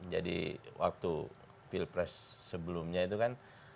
jadi waktu pilpres sebelumnya itu kan